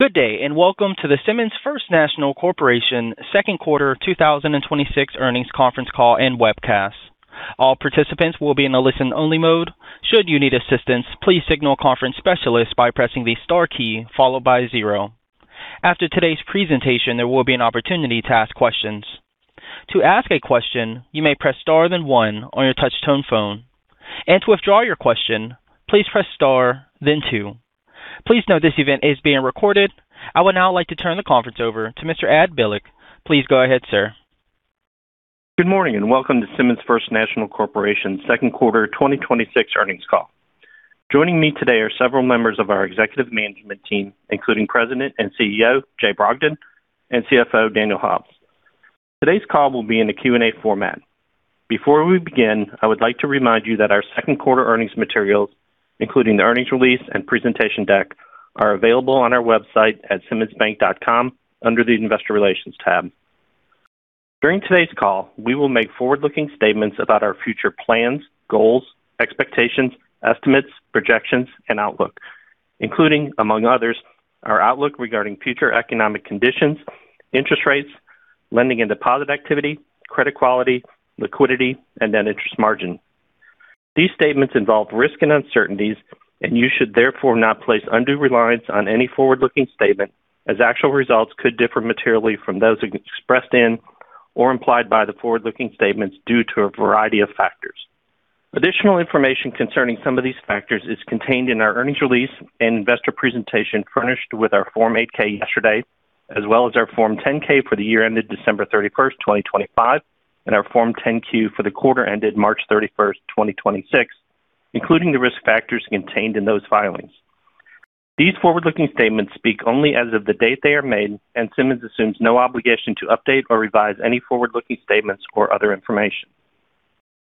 Good day, and welcome to the Simmons First National Corporation second quarter 2026 earnings conference call and webcast. All participants will be in a listen-only mode. Should you need assistance, please signal a conference specialist by pressing the star key followed by zero. After today's presentation, there will be an opportunity to ask questions. To ask a question, you may press star then one on your touch tone phone. To withdraw your question, please press star then two. Please note this event is being recorded. I would now like to turn the conference over to Mr. Ed Bilek. Please go ahead, sir. Good morning, and welcome to Simmons First National Corporation second quarter 2026 earnings call. Joining me today are several members of our executive management team, including President and CEO, Jay Brogdon, and CFO, Daniel Hobbs. Today's call will be in a Q&A format. Before we begin, I would like to remind you that our second quarter earnings materials, including the earnings release and presentation deck, are available on our website at simmonsbank.com under the investor relations tab. During today's call, we will make forward-looking statements about our future plans, goals, expectations, estimates, projections, and outlook, including, among others, our outlook regarding future economic conditions, interest rates, lending and deposit activity, credit quality, liquidity, and net interest margin. These statements involve risk and uncertainties. You should therefore not place undue reliance on any forward-looking statement as actual results could differ materially from those expressed in or implied by the forward-looking statements due to a variety of factors. Additional information concerning some of these factors is contained in our earnings release and investor presentation furnished with our Form 8-K yesterday, as well as our Form 10-K for the year-ended December 31st, 2025, and our Form 10-Q for the quarter-ended March 31st, 2026, including the risk factors contained in those filings. These forward-looking statements speak only as of the date they are made. Simmons assumes no obligation to update or revise any forward-looking statements or other information.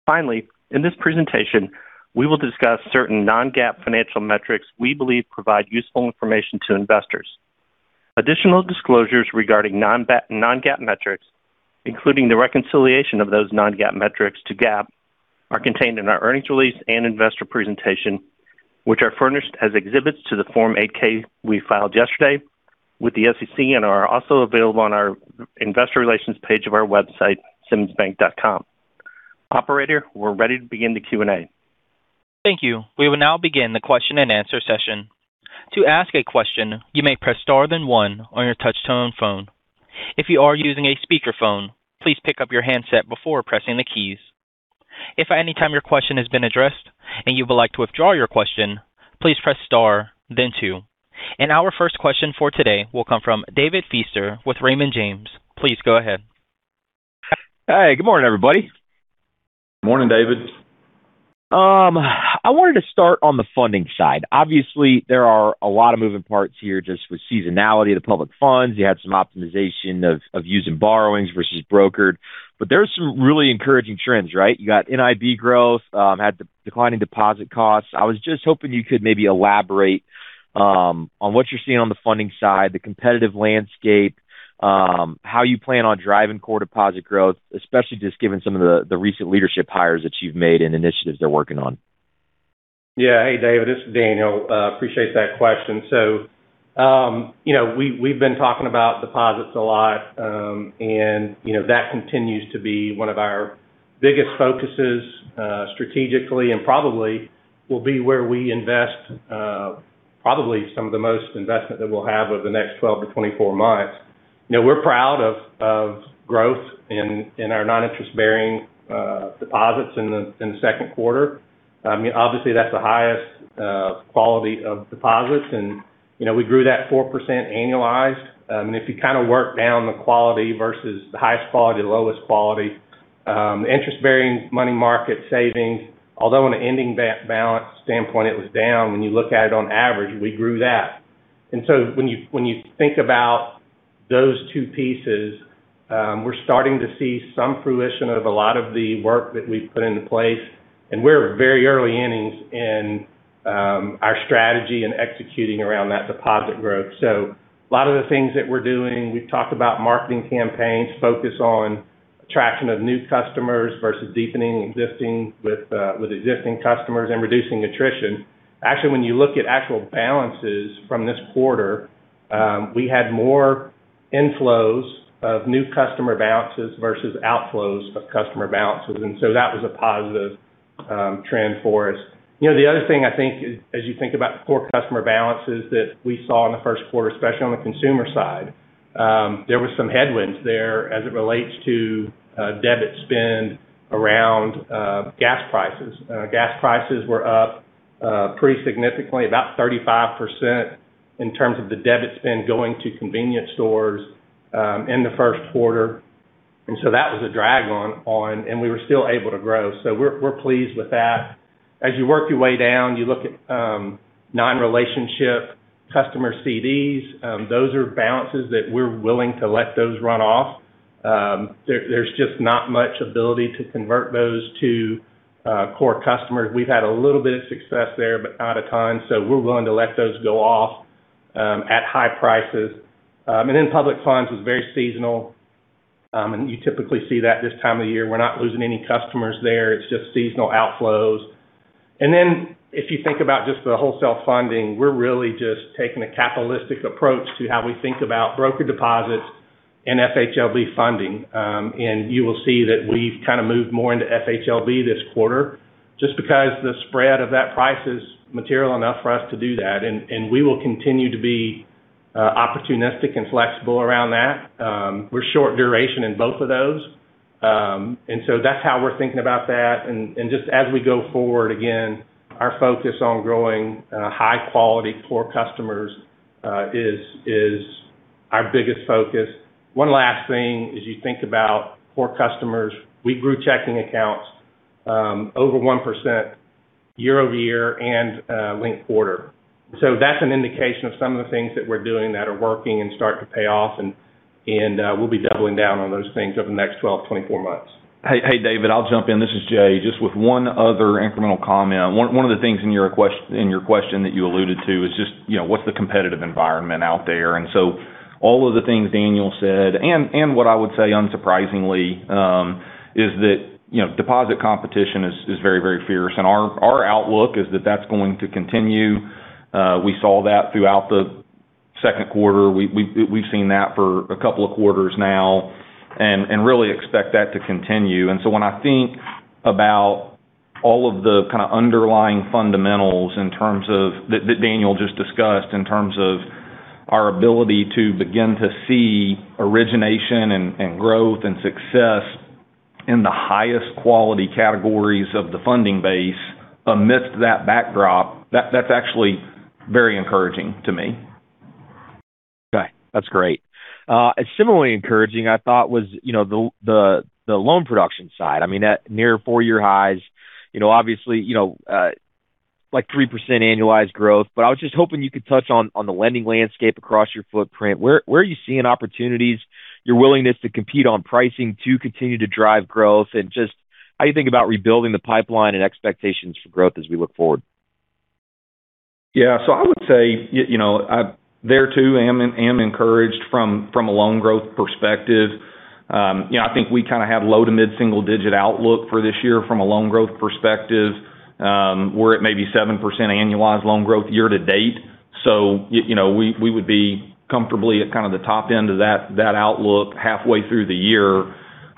Finally, in this presentation, we will discuss certain non-GAAP financial metrics we believe provide useful information to investors. Additional disclosures regarding non-GAAP metrics, including the reconciliation of those non-GAAP metrics to GAAP, are contained in our earnings release and investor presentation, which are furnished as exhibits to the Form 8-K we filed yesterday with the SEC and are also available on our investor relations page of our website, simmonsbank.com. Operator, we're ready to begin the Q&A. Thank you. We will now begin the question-and-answer session. To ask a question, you may press star then one on your touch tone phone. If you are using a speakerphone, please pick up your handset before pressing the keys. If at any time your question has been addressed and you would like to withdraw your question, please press star then two. Our first question for today will come from David Feaster with Raymond James. Please go ahead. Hey, good morning, everybody. Morning, David. I wanted to start on the funding side. Obviously, there are a lot of moving parts here just with seasonality of the public funds. You had some optimization of using borrowings versus brokered, there are some really encouraging trends, right? You got NIB growth, had declining deposit costs. I was just hoping you could maybe elaborate on what you're seeing on the funding side, the competitive landscape, how you plan on driving core deposit growth, especially just given some of the recent leadership hires that you've made and initiatives they're working on. Yeah. Hey, David, this is Daniel. Appreciate that question. We've been talking about deposits a lot, and that continues to be one of our biggest focuses strategically, and probably will be where we invest probably some of the most investment that we'll have over the next 12-24 months. We're proud of growth in our non-interest-bearing deposits in the second quarter. Obviously, that's the highest quality of deposits, and we grew that 4% annualized. If you work down the quality versus the highest quality, lowest quality, interest-bearing money market savings, although in an ending balance standpoint, it was down, when you look at it on average, we grew that. When you think about those two pieces, we're starting to see some fruition of a lot of the work that we've put into place, and we're very early innings in our strategy and executing around that deposit growth. A lot of the things that we're doing, we've talked about marketing campaigns, focus on attraction of new customers versus deepening with existing customers and reducing attrition. Actually, when you look at actual balances from this quarter, we had more inflows of new customer balances versus outflows of customer balances, that was a positive trend for us. The other thing I think as you think about core customer balances that we saw in the first quarter, especially on the consumer side, there was some headwinds there as it relates to debit spend around gas prices. Gas prices were up pretty significantly, about 35% in terms of the debit spend going to convenience stores in the first quarter. That was a drag on, and we were still able to grow. We're pleased with that. As you work your way down, you look at non-relationship customer CDs. Those are balances that we're willing to let those run off. There's just not much ability to convert those to core customers. We've had a little bit of success there, but not a ton. We're willing to let those go off at high prices. Public funds was very seasonal You typically see that this time of year. We're not losing any customers there. It's just seasonal outflows. If you think about just the wholesale funding, we're really just taking a capitalistic approach to how we think about broker deposits and FHLB funding. You will see that we've kind of moved more into FHLB this quarter just because the spread of that price is material enough for us to do that. We will continue to be opportunistic and flexible around that. We're short duration in both of those. That's how we're thinking about that. Just as we go forward, again, our focus on growing high quality core customers is our biggest focus. One last thing as you think about core customers, we grew checking accounts over 1% year-over-year and linked quarter. That's an indication of some of the things that we're doing that are working and starting to pay off, and we'll be doubling down on those things over the next 12-24 months. Hey, David, I'll jump in. This is Jay, just with one other incremental comment. One of the things in your question that you alluded to is just what's the competitive environment out there? All of the things Daniel said, and what I would say unsurprisingly, is that deposit competition is very, very fierce. Our outlook is that that's going to continue. We saw that throughout the second quarter. We've seen that for a couple of quarters now and really expect that to continue. When I think about all of the kind of underlying fundamentals that Daniel just discussed in terms of our ability to begin to see origination and growth and success in the highest quality categories of the funding base amidst that backdrop, that's actually very encouraging to me. Okay. That's great. Similarly encouraging, I thought was the loan production side. I mean, that near four-year highs, obviously, like 3% annualized growth. I was just hoping you could touch on the lending landscape across your footprint. Where are you seeing opportunities, your willingness to compete on pricing to continue to drive growth? Just how you think about rebuilding the pipeline and expectations for growth as we look forward? Yeah. I would say there too, I am encouraged from a loan growth perspective. I think we kind of have low to mid-single-digit outlook for this year from a loan growth perspective. We're at maybe 7% annualized loan growth year-to-date. We would be comfortably at kind of the top end of that outlook halfway through the year.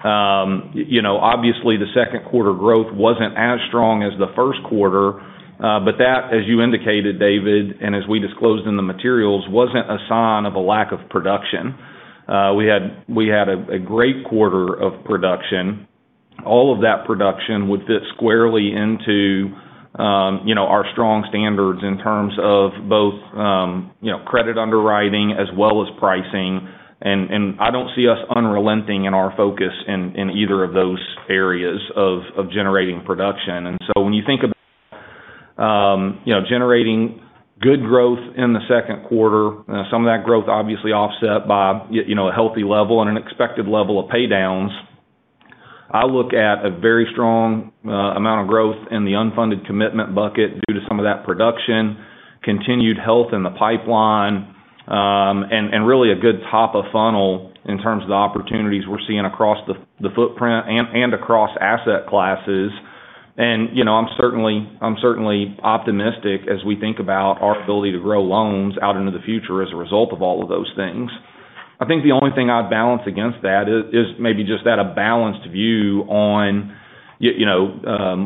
Obviously, the second quarter growth wasn't as strong as the first quarter. That, as you indicated, David, and as we disclosed in the materials, wasn't a sign of a lack of production. We had a great quarter of production. All of that production would fit squarely into our strong standards in terms of both credit underwriting as well as pricing. I don't see us unrelenting in our focus in either of those areas of generating production. When you think about generating good growth in the second quarter, some of that growth obviously offset by a healthy level and an expected level of pay downs. I look at a very strong amount of growth in the unfunded commitment bucket due to some of that production, continued health in the pipeline, and really a good top of funnel in terms of the opportunities we're seeing across the footprint and across asset classes. I'm certainly optimistic as we think about our ability to grow loans out into the future as a result of all of those things. I think the only thing I'd balance against that is maybe just that a balanced view on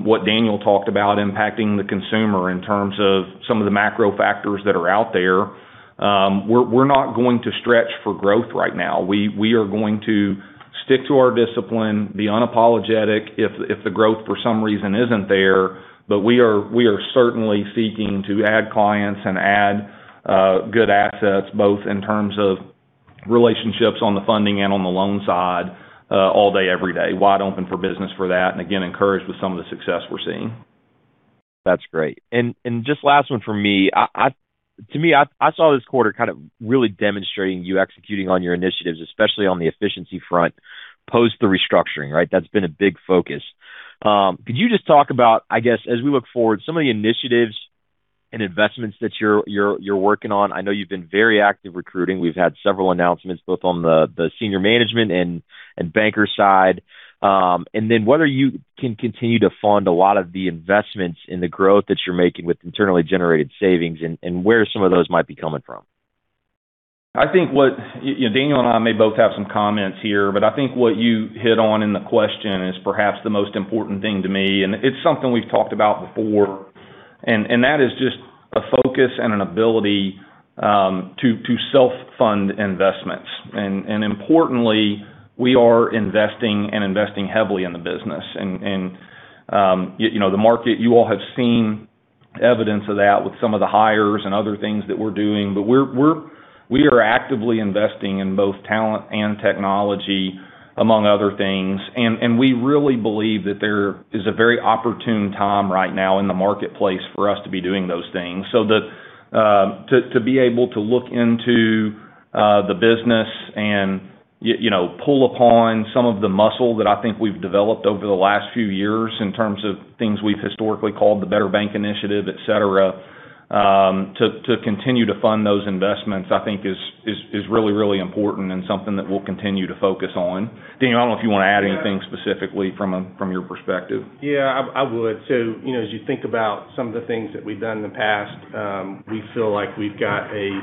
what Daniel talked about impacting the consumer in terms of some of the macro factors that are out there. We're not going to stretch for growth right now. We are going to stick to our discipline, be unapologetic if the growth for some reason isn't there. We are certainly seeking to add clients and add good assets, both in terms of relationships on the funding and on the loan side all day, every day. Wide open for business for that, and again, encouraged with some of the success we're seeing. That's great. Just last one from me. To me, I saw this quarter kind of really demonstrating you executing on your initiatives, especially on the efficiency front post the restructuring, right? That's been a big focus. Could you just talk about, I guess, as we look forward, some of the initiatives and investments that you're working on? I know you've been very active recruiting. We've had several announcements both on the senior management and banker side. Whether you can continue to fund a lot of the investments in the growth that you're making with internally generated savings and where some of those might be coming from. Daniel and I may both have some comments here, but I think what you hit on in the question is perhaps the most important thing to me, and it's something we've talked about before, and that is just a focus and an ability to self-fund investments. Importantly, we are investing and investing heavily in the business. The market, you all have seen evidence of that with some of the hires and other things that we're doing. We are actively investing in both talent and technology, among other things. We really believe that there is a very opportune time right now in the marketplace for us to be doing those things. To be able to look into the business and pull upon some of the muscle that I think we've developed over the last few years in terms of things we've historically called the Better Bank Initiative, et cetera. To continue to fund those investments, I think is really, really important and something that we'll continue to focus on. Daniel, I don't know if you want to add anything specifically from your perspective. Yeah, I would. As you think about some of the things that we've done in the past, we feel like we've got a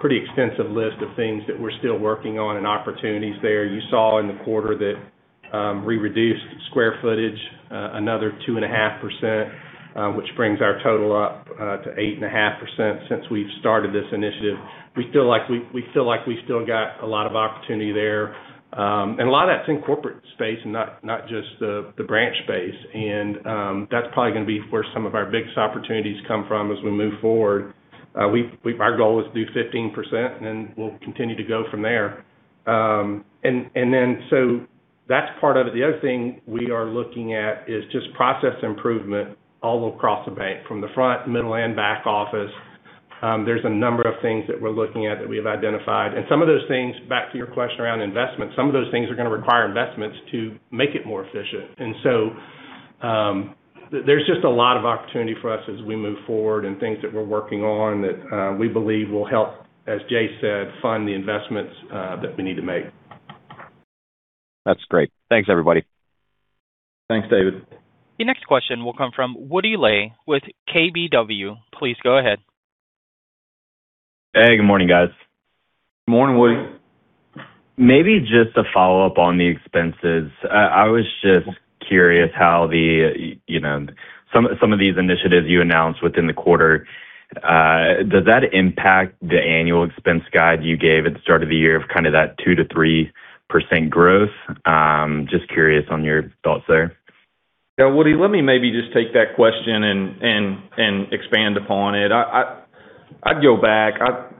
pretty extensive list of things that we're still working on and opportunities there. You saw in the quarter that we reduced square footage another 2.5%, which brings our total up to 8.5% since we've started this initiative. We feel like we still got a lot of opportunity there. A lot of that's in corporate space and not just the branch space. That's probably going to be where some of our biggest opportunities come from as we move forward. Our goal is to do 15%, then we'll continue to go from there. That's part of it. The other thing we are looking at is just process improvement all across the bank, from the front, middle, and back office. There's a number of things that we're looking at that we have identified. Some of those things, back to your question around investment, some of those things are going to require investments to make it more efficient. There's just a lot of opportunity for us as we move forward and things that we're working on that we believe will help, as Jay said, fund the investments that we need to make. That's great. Thanks, everybody. Thanks, David. Your next question will come from Woody Lay with KBW. Please go ahead. Hey, good morning, guys. Morning, Woody. Maybe just a follow-up on the expenses. I was just curious how some of these initiatives you announced within the quarter, does that impact the annual expense guide you gave at the start of the year of kind of that 2%-3% growth? Just curious on your thoughts there. Yeah, Woody, let me maybe just take that question and expand upon it. I'd go back.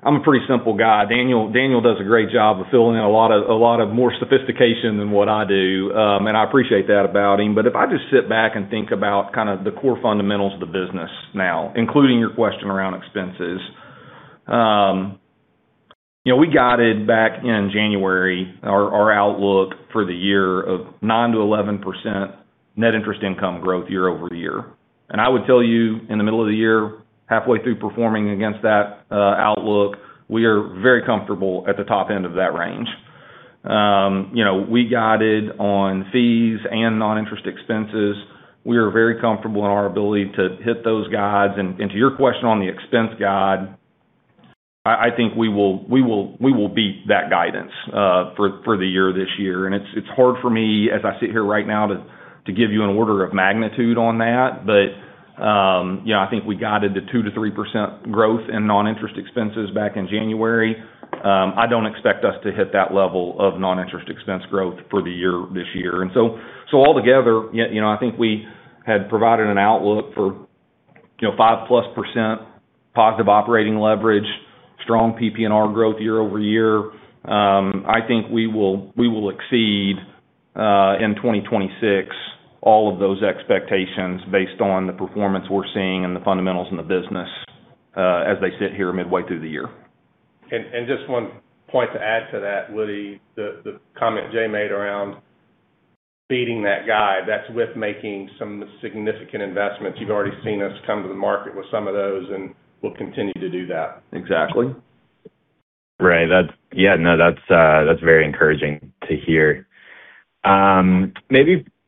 I'm a pretty simple guy. Daniel does a great job of filling in a lot of more sophistication than what I do. I appreciate that about him. If I just sit back and think about the core fundamentals of the business now, including your question around expenses. We guided back in January our outlook for the year of 9%-11% net interest income growth year-over-year. I would tell you, in the middle of the year, halfway through performing against that outlook, we are very comfortable at the top end of that range. We guided on fees and non-interest expenses. We are very comfortable in our ability to hit those guides. To your question on the expense guide, I think we will beat that guidance for the year this year. It's hard for me, as I sit here right now, to give you an order of magnitude on that. I think we guided the 2%-3% growth in non-interest expenses back in January. I don't expect us to hit that level of non-interest expense growth for the year this year. Altogether, I think we had provided an outlook for 5%+ positive operating leverage, strong PPNR growth year-over-year. I think we will exceed in 2026 all of those expectations based on the performance we're seeing and the fundamentals in the business as they sit here midway through the year. Just one point to add to that, Woody, the comment Jay made around beating that guide, that's with making some significant investments. You've already seen us come to the market with some of those, and we'll continue to do that. Exactly. Right. That's very encouraging to hear.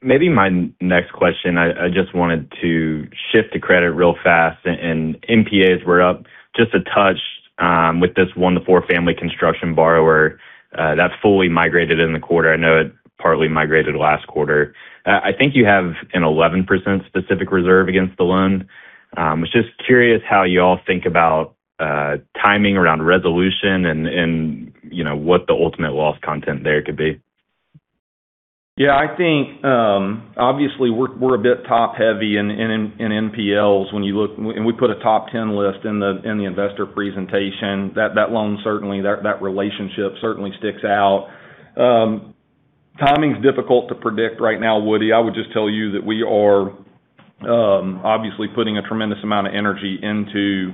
My next question, I just wanted to shift to credit real fast, NPAs were up just a touch with this one, the four-family construction borrower. That's fully migrated in the quarter. I know it partly migrated last quarter. I think you have an 11% specific reserve against the loan. I was just curious how you all think about timing around resolution and what the ultimate loss content there could be. Yeah, I think, obviously, we're a bit top-heavy in NPLs when you look. We put a top 10 list in the investor presentation. That loan, certainly, that relationship certainly sticks out. Timing's difficult to predict right now, Woody. I would just tell you that we are obviously putting a tremendous amount of energy into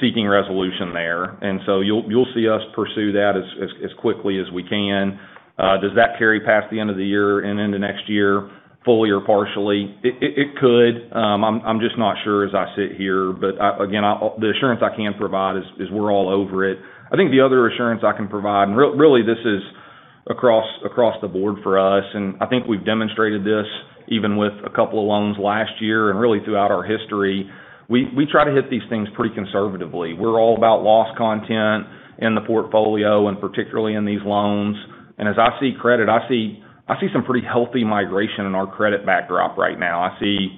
seeking resolution there. You'll see us pursue that as quickly as we can. Does that carry past the end of the year and into next year fully or partially? It could. I'm just not sure as I sit here. Again, the assurance I can provide is we're all over it. I think the other assurance I can provide, and really this is across the board for us, and I think we've demonstrated this even with a couple of loans last year and really throughout our history. We try to hit these things pretty conservatively. We're all about loss content in the portfolio and particularly in these loans. As I see credit, I see some pretty healthy migration in our credit backdrop right now. I see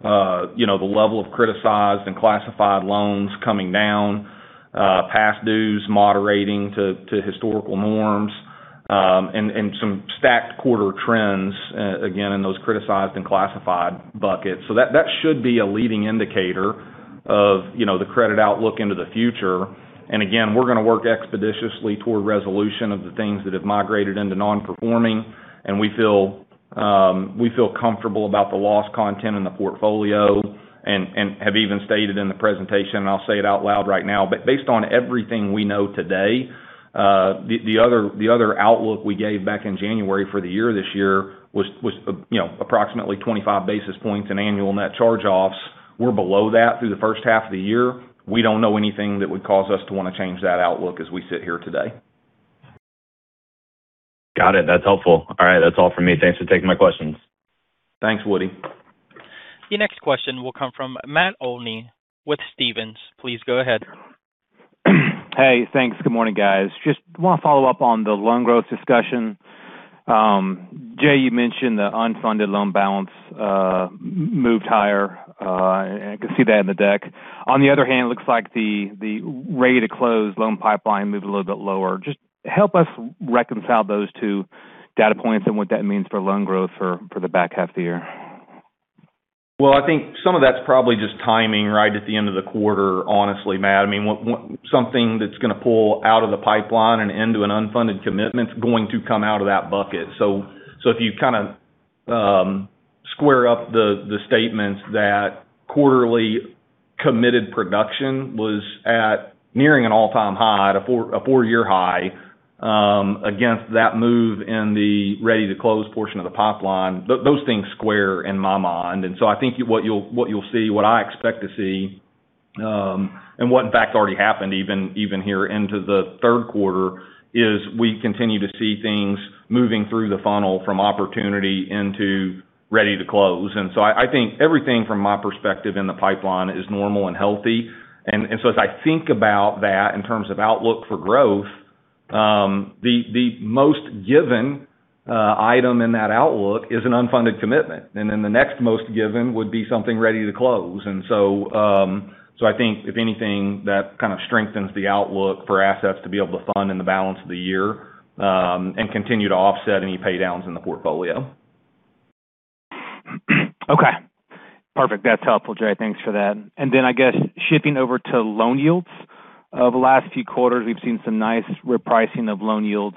the level of criticized and classified loans coming down, past dues moderating to historical norms, and some stacked quarter trends, again, in those criticized and classified buckets. That should be a leading indicator of the credit outlook into the future. Again, we're going to work expeditiously toward resolution of the things that have migrated into non-performing. We feel comfortable about the loss content in the portfolio and have even stated in the presentation, and I'll say it out loud right now, but based on everything we know today, the other outlook we gave back in January for the year this year was approximately 25 basis points in annual net charge-offs. We're below that through the first half of the year. We don't know anything that would cause us to want to change that outlook as we sit here today. Got it. That's helpful. All right. That's all from me. Thanks for taking my questions. Thanks, Woody. The next question will come from Matt Olney with Stephens. Please go ahead. Hey, thanks. Good morning, guys. Just want to follow-up on the loan growth discussion. Jay, you mentioned the unfunded loan balance moved higher. I can see that in the deck. On the other hand, it looks like the ready to close loan pipeline moved a little bit lower. Just help us reconcile those two data points and what that means for loan growth for the back half of the year. I think some of that's probably just timing right at the end of the quarter, honestly, Matt. Something that's going to pull out of the pipeline and into an unfunded commitment is going to come out of that bucket. If you square up the statements that quarterly committed production was at nearing an all-time high, at a four-year high, against that move in the ready to close portion of the pipeline, those things square in my mind. I think what you'll see, what I expect to see, and what in fact already happened even here into the third quarter, is we continue to see things moving through the funnel from opportunity into ready to close. I think everything from my perspective in the pipeline is normal and healthy. As I think about that in terms of outlook for growth, the most given item in that outlook is an unfunded commitment, and then the next most given would be something ready to close. I think if anything, that kind of strengthens the outlook for assets to be able to fund in the balance of the year, and continue to offset any pay downs in the portfolio. Okay. Perfect. That's helpful, Jay. Thanks for that. I guess, shifting over to loan yields. Over the last few quarters, we've seen some nice repricing of loan yields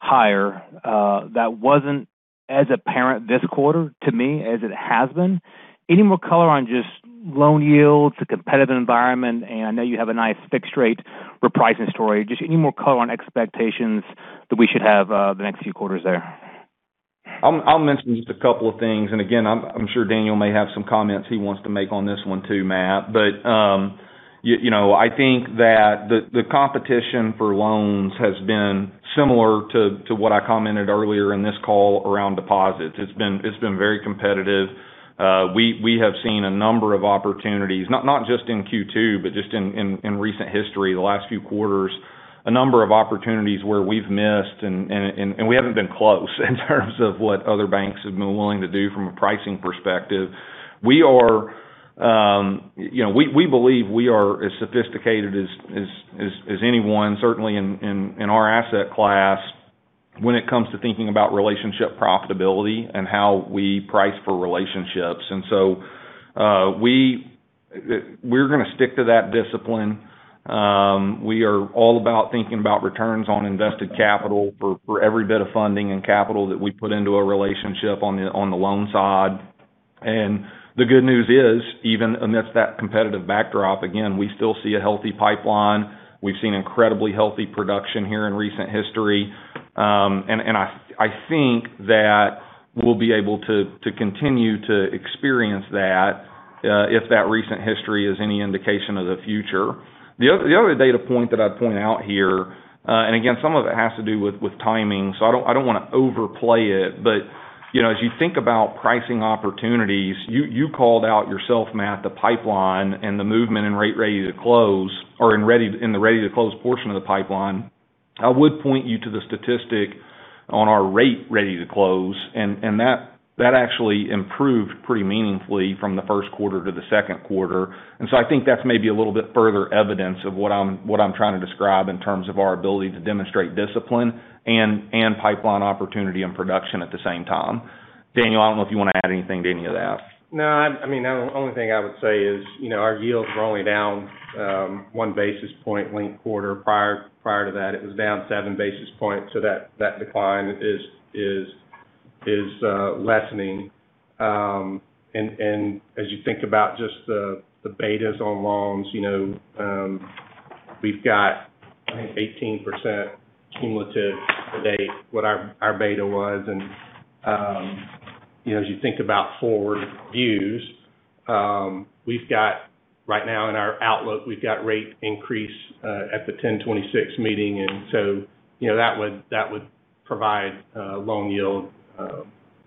higher. That wasn't as apparent this quarter to me as it has been. Any more color on just loan yields, the competitive environment, and I know you have a nice fixed rate repricing story. Just any more color on expectations that we should have the next few quarters there? I'll mention just a couple of things, and again, I'm sure Daniel may have some comments he wants to make on this one too, Matt. I think that the competition for loans has been similar to what I commented earlier in this call around deposits. It's been very competitive. We have seen a number of opportunities, not just in Q2, but just in recent history, the last few quarters, a number of opportunities where we've missed, and we haven't been close in terms of what other banks have been willing to do from a pricing perspective. We believe we are as sophisticated as anyone, certainly in our asset class, when it comes to thinking about relationship profitability and how we price for relationships. We're going to stick to that discipline. We are all about thinking about returns on invested capital for every bit of funding and capital that we put into a relationship on the loan side. The good news is, even amidst that competitive backdrop, again, we still see a healthy pipeline. We've seen incredibly healthy production here in recent history. I think that we'll be able to continue to experience that, if that recent history is any indication of the future. The other data point that I'd point out here, again, some of it has to do with timing, so I don't want to overplay it, but as you think about pricing opportunities, you called out yourself, Matt, the pipeline and the movement in the ready to close portion of the pipeline. I would point you to the statistic on our rate ready to close, that actually improved pretty meaningfully from the first quarter to the second quarter. I think that's maybe a little bit further evidence of what I'm trying to describe in terms of our ability to demonstrate discipline and pipeline opportunity and production at the same time. Daniel, I don't know if you want to add anything to any of that. No, the only thing I would say is our yields were only down 1 basis point linked quarter. Prior to that, it was down 7 basis points. That decline is lessening. As you think about just the betas on loans, we've got 18% cumulative to date what our beta was. As you think about forward views, right now in our outlook, we've got rate increase at the 10/26 meeting, that would provide loan yield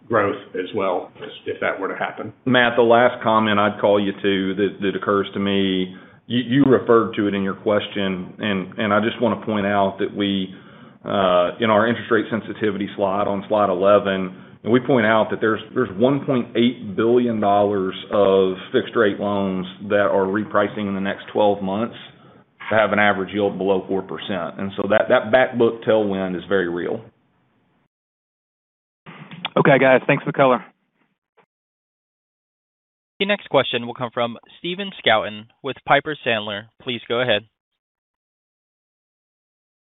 growth as well if that were to happen. Matt, the last comment I'd call you to that occurs to me, you referred to it in your question. I just want to point out that in our interest rate sensitivity slide on Slide 11, we point out that there's $1.8 billion of fixed rate loans that are repricing in the next 12 months to have an average yield below 4%. That back book tailwind is very real. Okay, guys. Thanks for the color. The next question will come from Stephen Scouten with Piper Sandler. Please go ahead.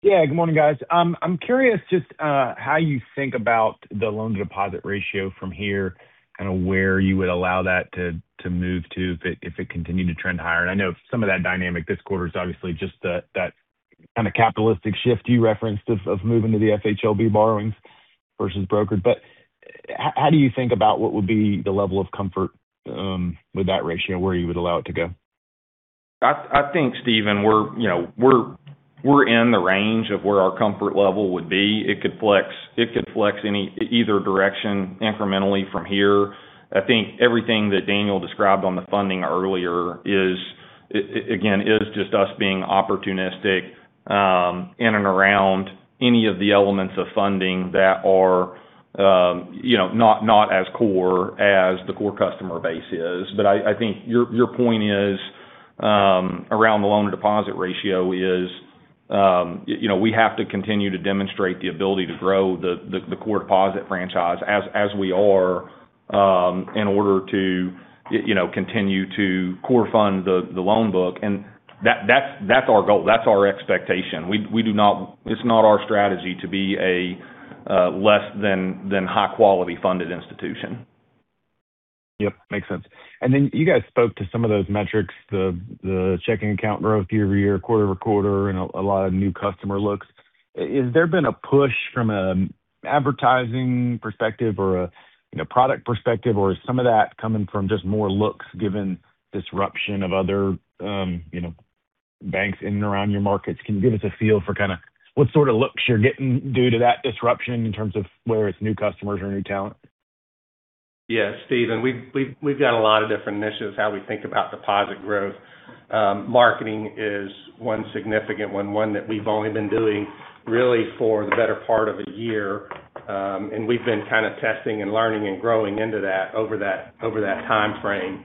Good morning, guys. I'm curious just how you think about the loan-to-deposit ratio from here, kind of where you would allow that to move to if it continued to trend higher. I know some of that dynamic this quarter is obviously just that capitalistic shift you referenced of moving to the FHLB borrowings versus brokered. How do you think about what would be the level of comfort with that ratio, where you would allow it to go? I think, Stephen, we're in the range of where our comfort level would be. It could flex either direction incrementally from here. I think everything that Daniel described on the funding earlier, again, is just us being opportunistic in and around any of the elements of funding that are not as core as the core customer base is. I think your point is around the loan-to-deposit ratio is we have to continue to demonstrate the ability to grow the core deposit franchise as we are in order to continue to core fund the loan book. That's our goal, that's our expectation. It's not our strategy to be a less than high quality funded institution. Yep, makes sense. Then you guys spoke to some of those metrics, the checking account growth year-over-year, quarter-over-quarter, and a lot of new customer looks. Has there been a push from an advertising perspective or a product perspective, or is some of that coming from just more looks given disruption of other banks in and around your markets? Can you give us a feel for what sort of looks you're getting due to that disruption in terms of whether it's new customers or new talent? Yeah, Stephen, we've got a lot of different initiatives how we think about deposit growth. Marketing is one significant one that we've only been doing really for the better part of a year. We've been kind of testing and learning and growing into that over that timeframe.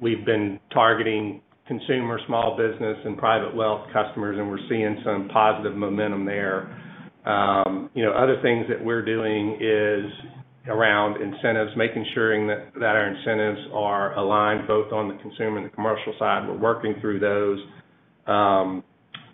We've been targeting consumer small business and private wealth customers, and we're seeing some positive momentum there. Other things that we're doing is around incentives, making sure that our incentives are aligned both on the consumer and the commercial side, and we're working through those.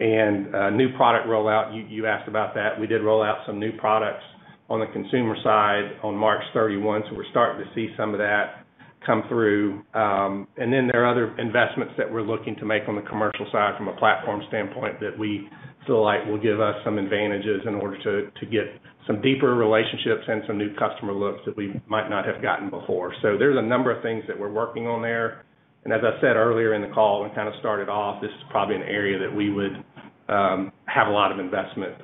New product rollout, you asked about that. We did roll out some new products on the consumer side on March 31, so we're starting to see some of that come through. Then there are other investments that we're looking to make on the commercial side from a platform standpoint that we feel like will give us some advantages in order to get some deeper relationships and some new customer looks that we might not have gotten before. There's a number of things that we're working on there. As I said earlier in the call when kind of started off, this is probably an area that we would have a lot of investment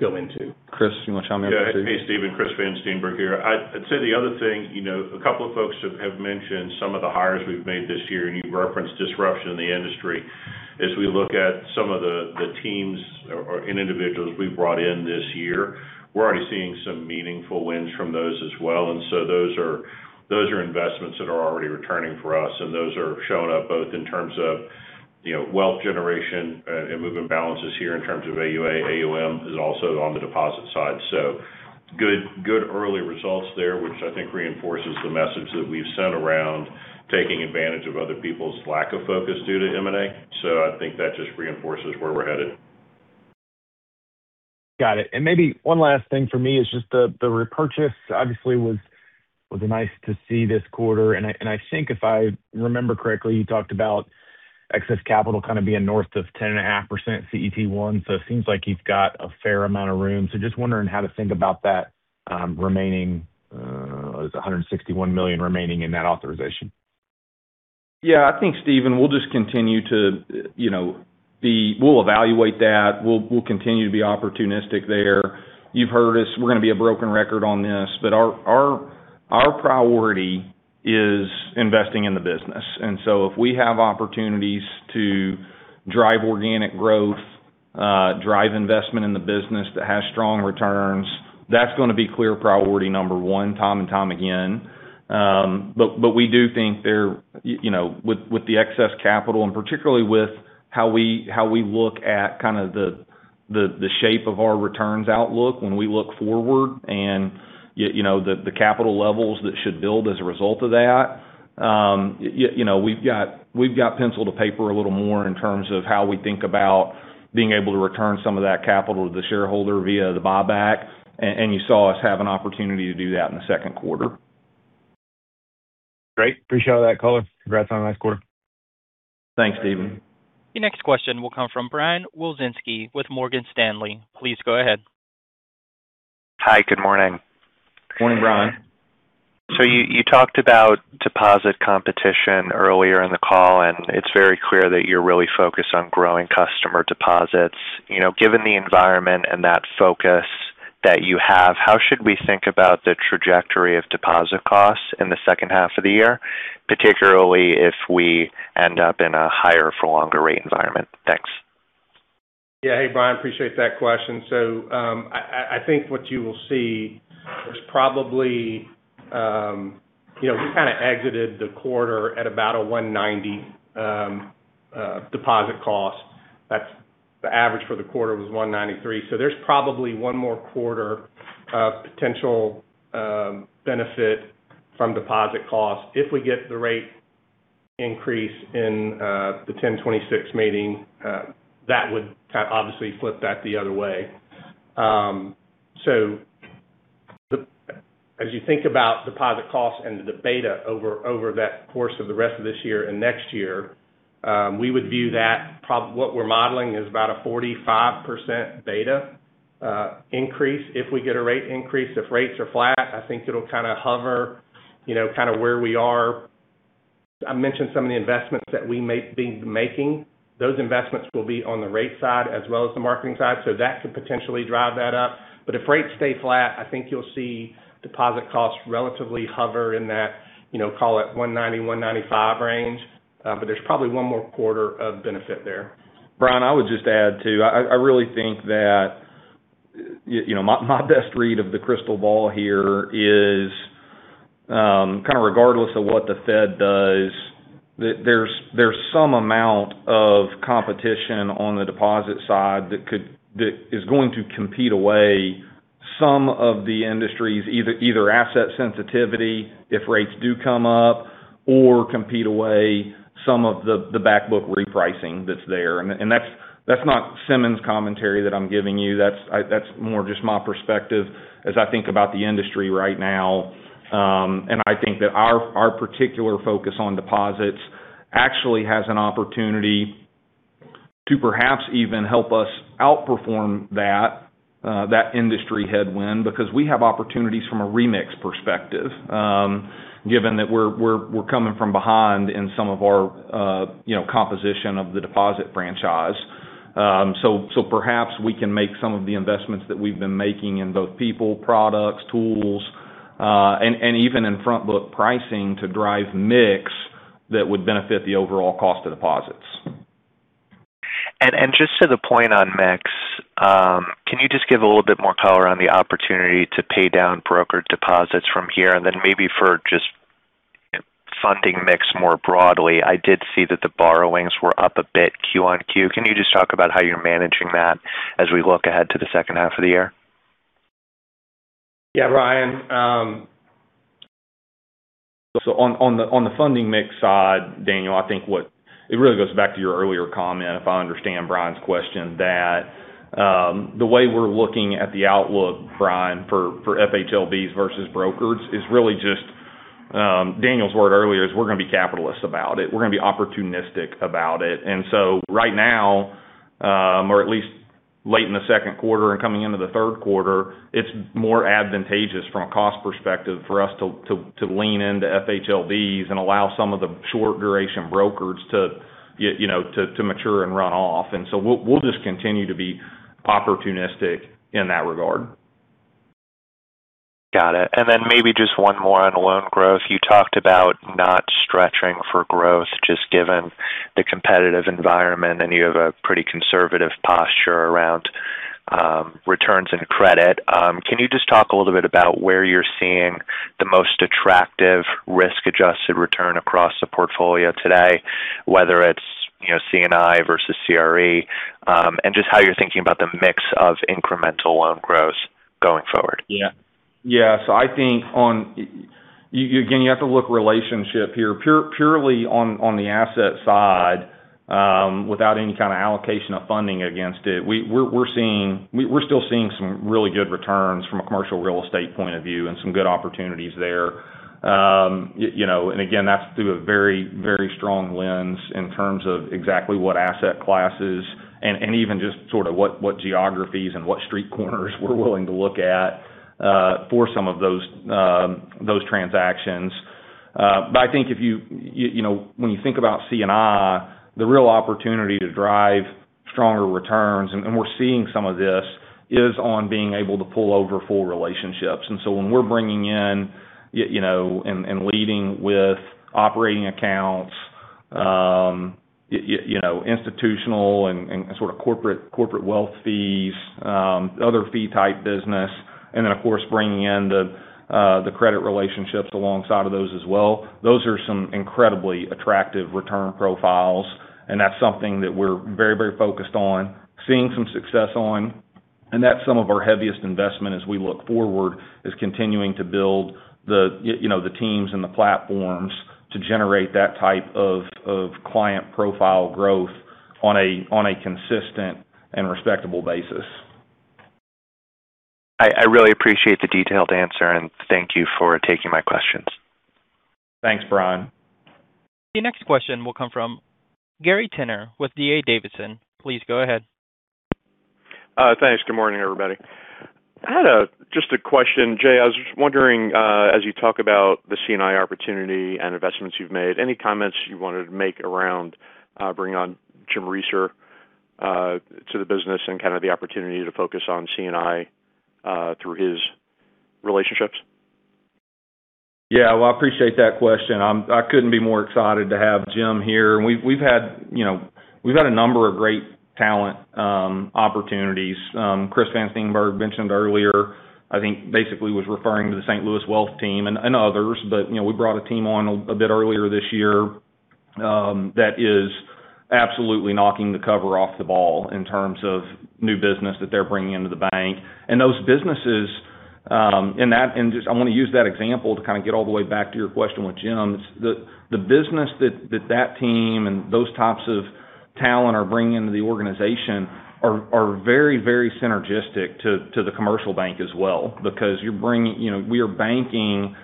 go into. Chris, you want to chime in here too? Hey, Stephen, Chris Van Steenberg here. I'd say the other thing, a couple of folks have mentioned some of the hires we've made this year, and you've referenced disruption in the industry. As we look at some of the teams or individuals we've brought in this year, we're already seeing some meaningful wins from those as well. Those are investments that are already returning for us, and those are showing up both in terms of wealth generation and movement balances here in terms of AUA. AUM is also on the deposit side. Good early results there, which I think reinforces the message that we've sent around taking advantage of other people's lack of focus due to M&A. I think that just reinforces where we're headed. Got it. Maybe one last thing from me is just the repurchase obviously was nice to see this quarter, and I think if I remember correctly, you talked about excess capital kind of being north of 10.5% CET1. It seems like you've got a fair amount of room. Just wondering how to think about that remaining, there's $161 million remaining in that authorization. Yeah, I think, Stephen, we'll evaluate that. We'll continue to be opportunistic there. You've heard us, we're going to be a broken record on this, but our priority is investing in the business. If we have opportunities to drive organic growth, drive investment in the business that has strong returns, that's going to be clear priority number one time and time again. We do think there, with the excess capital and particularly with how we look at the shape of our returns outlook when we look forward and the capital levels that should build as a result of that. We've got pencil to paper a little more in terms of how we think about being able to return some of that capital to the shareholder via the buyback, and you saw us have an opportunity to do that in the second quarter. Great. Appreciate all that color. Congrats on a nice quarter. Thanks, Stephen. Your next question will come from Brian Wilczynski with Morgan Stanley. Please go ahead. Hi, good morning. Morning, Brian. You talked about deposit competition earlier in the call, and it's very clear that you're really focused on growing customer deposits. Given the environment and that focus that you have, how should we think about the trajectory of deposit costs in the second half of the year, particularly if we end up in a higher for longer rate environment? Thanks. Yeah. Hey, Brian, appreciate that question. I think what you will see is probably we kind of exited the quarter at about a 190 deposit cost. The average for the quarter was 193. There's probably one more quarter of potential benefit from deposit costs. If we get the rate increase in the 10/26 meeting, that would obviously flip that the other way. As you think about deposit costs and the beta over that course of the rest of this year and next year, we would view that what we're modeling is about a 45% beta increase. If we get a rate increase, if rates are flat, I think it'll kind of hover where we are. I mentioned some of the investments that we may be making. Those investments will be on the rate side as well as the marketing side. That could potentially drive that up. If rates stay flat, I think you'll see deposit costs relatively hover in that, call it 190, 195 range. There's probably one more quarter of benefit there. Brian, I would just add, too, I really think that my best read of the crystal ball here is kind of regardless of what the Fed does, there's some amount of competition on the deposit side that is going to compete away some of the industry's either asset sensitivity, if rates do come up, or compete away some of the back book repricing that's there. That's not Simmons commentary that I'm giving you. That's more just my perspective as I think about the industry right now. I think that our particular focus on deposits actually has an opportunity to perhaps even help us outperform that industry headwind, because we have opportunities from a remix perspective, given that we're coming from behind in some of our composition of the deposit franchise. Perhaps we can make some of the investments that we've been making in both people, products, tools, and even in front book pricing to drive mix that would benefit the overall cost of deposits. Just to the point on mix, can you just give a little bit more color on the opportunity to pay down brokered deposits from here? Maybe for just funding mix more broadly, I did see that the borrowings were up a bit Q1 Q. Can you just talk about how you're managing that as we look ahead to the second half of the year? Yeah, Brian. On the funding mix side, Daniel, I think it really goes back to your earlier comment, if I understand Brian's question, that the way we're looking at the outlook, Brian, for FHLBs versus brokers is really just Daniel's word earlier is we're going to be capitalists about it. We're going to be opportunistic about it. Right now, or at least late in the second quarter and coming into the third quarter, it's more advantageous from a cost perspective for us to lean into FHLBs and allow some of the short duration brokers to mature and run off. We'll just continue to be opportunistic in that regard. Got it. Maybe just one more on loan growth. You talked about not stretching for growth, just given the competitive environment, and you have a pretty conservative posture around returns and credit. Can you just talk a little bit about where you're seeing the most attractive risk-adjusted return across the portfolio today, whether it's C&I versus CRE, and just how you're thinking about the mix of incremental loan growth going forward? I think, again, you have to look relationship here. Purely on the asset side, without any kind of allocation of funding against it, we're still seeing some really good returns from a commercial real estate point of view and some good opportunities there. Again, that's through a very strong lens in terms of exactly what asset classes and even just sort of what geographies and what street corners we're willing to look at for some of those transactions. I think when you think about C&I, the real opportunity to drive stronger returns, and we're seeing some of this, is on being able to pull over full relationships. When we're bringing in and leading with operating accounts, institutional and sort of corporate wealth fees, other fee type business, of course, bringing in the credit relationships alongside of those as well, those are some incredibly attractive return profiles. That's something that we're very focused on, seeing some success on. That's some of our heaviest investment as we look forward, is continuing to build the teams and the platforms to generate that type of client profile growth on a consistent and respectable basis. I really appreciate the detailed answer. Thank you for taking my questions. Thanks, Brian. The next question will come from Gary Tenner with D.A. Davidson. Please go ahead. Thanks. Good morning, everybody. I had just a question. Jay, I was just wondering, as you talk about the C&I opportunity and investments you've made, any comments you wanted to make around bringing on Jim Recer to the business and kind of the opportunity to focus on C&I through his relationships? Well, I appreciate that question. I couldn't be more excited to have Jim here. We've had a number of great talent opportunities. Chris Van Steenberg mentioned earlier, I think basically was referring to the St. Louis wealth team and others. We brought a team on a bit earlier this year that is absolutely knocking the cover off the ball in terms of new business that they're bringing into the bank. Those businesses, I want to use that example to kind of get all the way back to your question with Jim. The business that that team and those types of talent are bringing into the organization are very synergistic to the commercial bank as well, because we are banking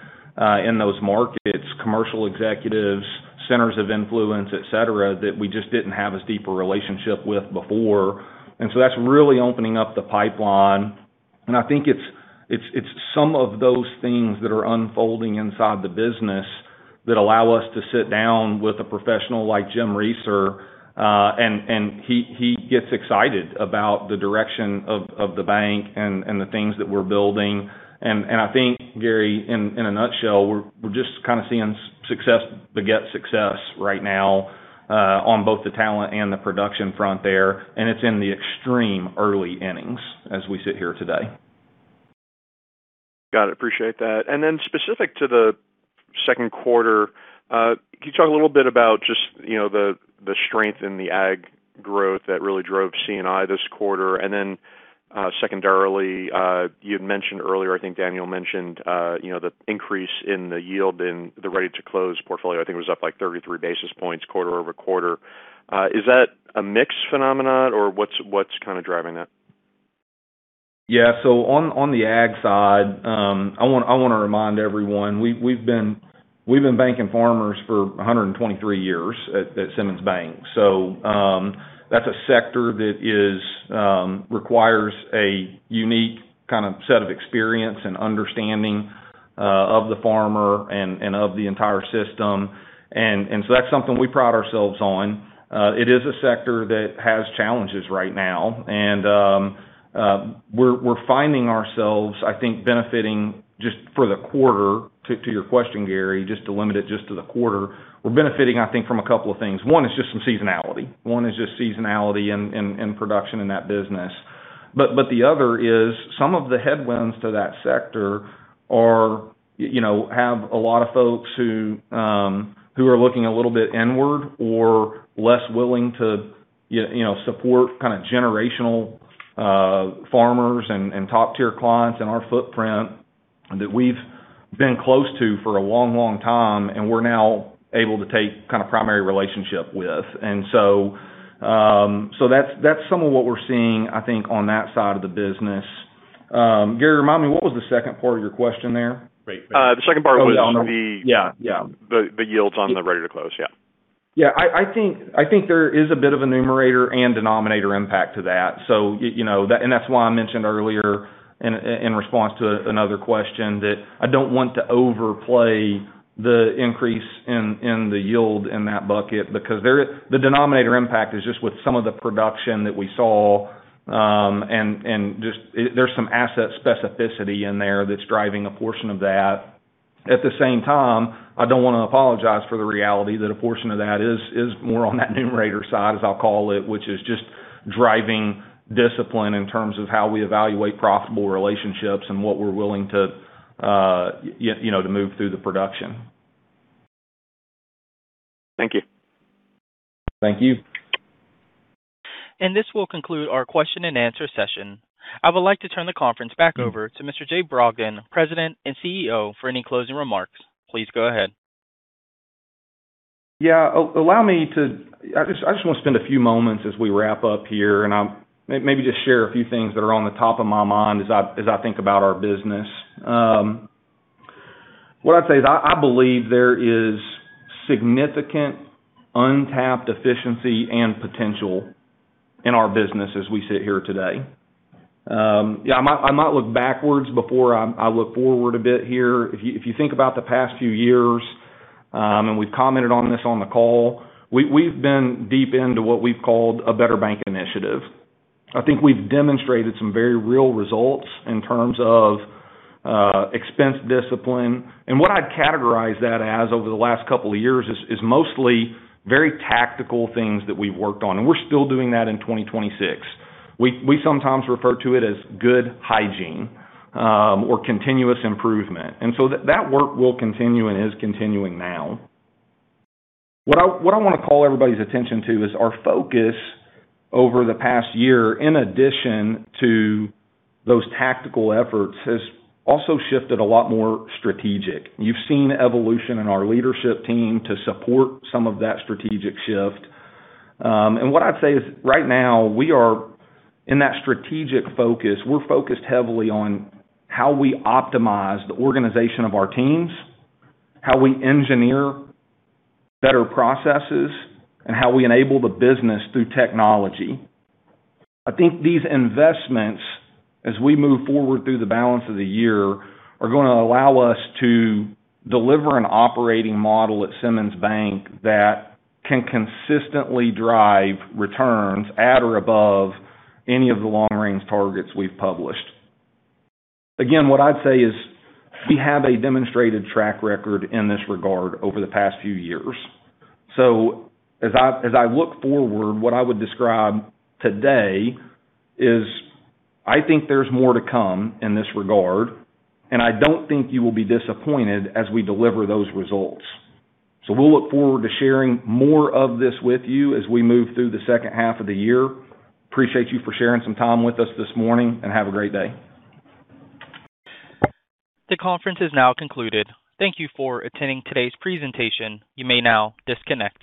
in those markets, commercial executives, centers of influence, et cetera, that we just didn't have as deep a relationship with before. That's really opening up the pipeline. I think it's some of those things that are unfolding inside the business that allow us to sit down with a professional like Jim Recer, He gets excited about the direction of the bank and the things that we're building. I think, Gary, in a nutshell, we're just kind of seeing success beget success right now on both the talent and the production front there. It's in the extreme early innings as we sit here today. Got it. Appreciate that. Specific to the second quarter, can you talk a little bit about just the strength in the ag growth that really drove C&I this quarter? Secondarily, you had mentioned earlier, I think Daniel mentioned the increase in the yield in the ready to close portfolio. I think it was up like 33 basis points quarter-over-quarter. Is that a mix phenomenon or what's kind of driving that? Yeah. On the ag side, I want to remind everyone, we've been banking farmers for 123 years at Simmons Bank. That's a sector that requires a unique kind of set of experience and understanding of the farmer and of the entire system. That's something we pride ourselves on. It is a sector that has challenges right now. We're finding ourselves, I think, benefiting just for the quarter, to your question, Gary, just to limit it just to the quarter, we're benefiting, I think, from a couple of things. One is just some seasonality. One is just seasonality in production in that business. The other is some of the headwinds to that sector have a lot of folks who are looking a little bit inward or less willing to support kind of generational farmers and top-tier clients in our footprint that we've been close to for a long time, and we're now able to take kind of primary relationship with. That's some of what we're seeing, I think, on that side of the business. Gary, remind me, what was the second part of your question there? The second part was on the- Yeah the yields on the ready to close. Yeah. Yeah. I think there is a bit of a numerator and denominator impact to that. That's why I mentioned earlier in response to another question that I don't want to overplay the increase in the yield in that bucket because the denominator impact is just with some of the production that we saw. There's some asset specificity in there that's driving a portion of that. At the same time, I don't want to apologize for the reality that a portion of that is more on that numerator side, as I'll call it, which is just driving discipline in terms of how we evaluate profitable relationships and what we're willing to move through the production. Thank you. Thank you. This will conclude our question-and-answer session. I would like to turn the conference back over to Mr. Jay Brogdon, President and CEO, for any closing remarks. Please go ahead. I just want to spend a few moments as we wrap up here, maybe just share a few things that are on the top of my mind as I think about our business. What I'd say is I believe there is significant untapped efficiency and potential in our business as we sit here today. I might look backwards before I look forward a bit here. If you think about the past few years, we've commented on this on the call, we've been deep into what we've called a Better Bank Initiative. I think we've demonstrated some very real results in terms of expense discipline. What I'd categorize that as over the last couple of years is mostly very tactical things that we've worked on. We're still doing that in 2026. We sometimes refer to it as good hygiene or continuous improvement. That work will continue and is continuing now. What I want to call everybody's attention to is our focus over the past year, in addition to those tactical efforts, has also shifted a lot more strategic. You've seen evolution in our leadership team to support some of that strategic shift. What I'd say is right now, we are in that strategic focus. We're focused heavily on how we optimize the organization of our teams, how we engineer better processes, and how we enable the business through technology. I think these investments, as we move forward through the balance of the year, are going to allow us to deliver an operating model at Simmons Bank that can consistently drive returns at or above any of the long-range targets we've published. Again, what I'd say is we have a demonstrated track record in this regard over the past few years. As I look forward, what I would describe today is I think there's more to come in this regard, and I don't think you will be disappointed as we deliver those results. We'll look forward to sharing more of this with you as we move through the second half of the year. Appreciate you for sharing some time with us this morning, and have a great day. The conference is now concluded. Thank you for attending today's presentation. You may now disconnect.